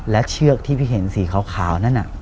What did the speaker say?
และเชือกที่พี่เห็นสีขาวนั่นน่ะ